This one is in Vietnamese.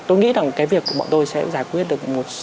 tôi nghĩ rằng cái việc của bọn tôi sẽ giải quyết được